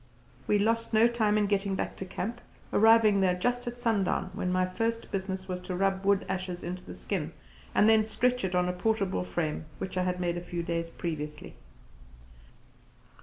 We lost no time in getting back to camp, arriving there just at sundown, when my first business was to rub wood ashes into the skin and then stretch it on a portable frame which I had made a few days previously.